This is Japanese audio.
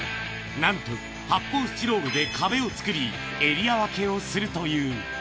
なんと発泡スチロールで壁を作りエリア分けをするという。